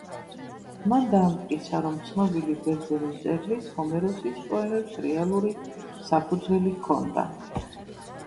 მან დაამტკიცა, რომ ცნობილი ბერძენი მწერლის, ჰომეროსის, პოემებს რეალური საფუძველი ჰქონდა.